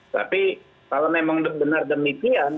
tapi kalau memang benar demikian